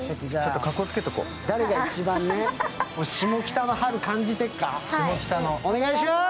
誰が一番、下北の春感じてっか、お願いします。